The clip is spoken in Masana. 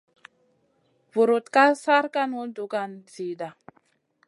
Vurutn ka sarkanu dugan zida.